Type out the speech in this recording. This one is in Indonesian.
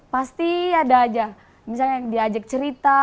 pasti ada aja misalnya yang diajak cerita